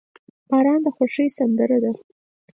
• باران د خوښۍ سندره ده.